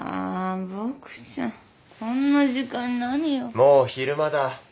もう昼間だ。